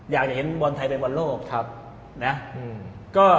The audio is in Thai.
อยากจะเห็นวันไทยเป็นวันโลก